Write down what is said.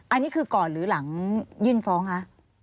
อันนี้คือก่อนหรือหลังยื่นฟ้องคะ